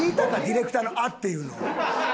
ディレクターの「あっ」っていうの。